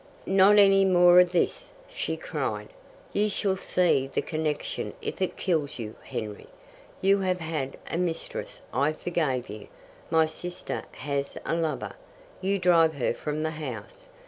"Not any more of this!" she cried. "You shall see the connection if it kills you, Henry! You have had a mistress I forgave you. My sister has a lover you drive her from the house.